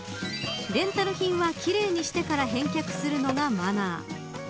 レンタル品は奇麗にしてから返却するのがマナー。